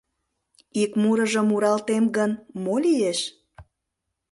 Ик мурыжым муралтем гын, мо лиеш?